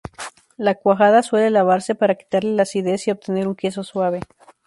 La cuajada suele lavarse para quitarle la acidez y obtener un queso suave.